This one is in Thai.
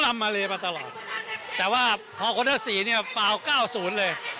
อำมาเลมาตลอดแต่ว่าพอคนละสี่เนี่ยฟาวเก้าศูนย์เลย